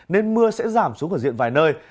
nên mưa sẽ giảm xuống ở diện vài nơi